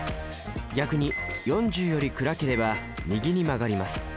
逆に４０より暗ければ右に曲がります。